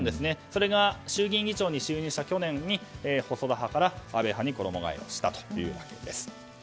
それが衆議院議長に就任した去年に細田派から安倍派に衣替えしたというわけです。